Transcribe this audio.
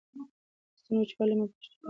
د ستوني وچوالی مه پرېږدئ. لوښي جلا وساتئ.